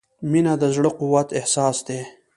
• مینه د زړۀ د قوت احساس دی.